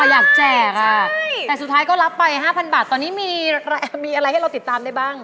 อยากแจกแต่สุดท้ายก็รับไป๕๐๐บาทตอนนี้มีอะไรให้เราติดตามได้บ้าง